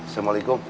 sama si ricma